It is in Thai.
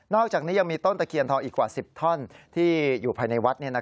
อกจากนี้ยังมีต้นตะเคียนทองอีกกว่า๑๐ท่อนที่อยู่ภายในวัด